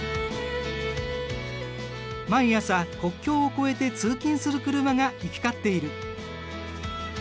毎朝国境を越えて通勤する車が行き交っている。